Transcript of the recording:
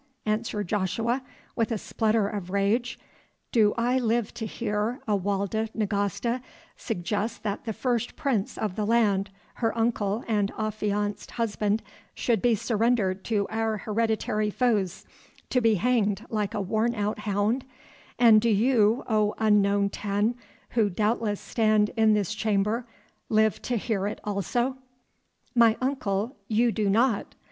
answered Joshua, with a splutter of rage, "do I live to hear a Walda Nagasta suggest that the first prince of the land, her uncle and affianced husband, should be surrendered to our hereditary foes to be hanged like a worn out hound, and do you, O unknown ten, who doubtless stand in this chamber, live to hear it also?" "My uncle, you do not.